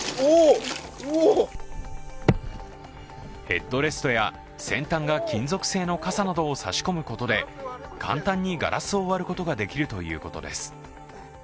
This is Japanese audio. ヘッドレストや先端が金属製の傘などを差し込むことで簡単にガラスを割ることができるということです。